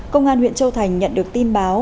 công an huyện châu thành nhận được tin báo